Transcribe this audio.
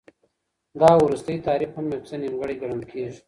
دا وروستی تعریف هم یو څه نیمګړی ګڼل کیږي.